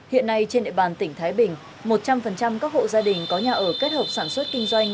hiện nay trên địa bàn tỉnh thái bình một trăm linh các hộ gia đình có nhà ở kết hợp sản xuất kinh doanh